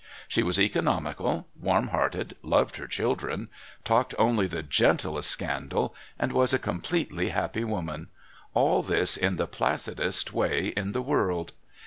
She was economical, warm hearted, loved her children, talked only the gentlest scandal, and was a completely happy woman all this in the placidest way in the world.